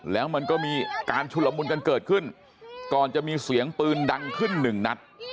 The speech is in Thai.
แล้วมันก็มีการชุลมุนกันเกิดขึ้นก่อนจะมีเสียงปืนดังขึ้นหนึ่งนัด